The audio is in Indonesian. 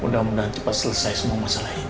mudah mudahan cepat selesai semua masalah ini ya pak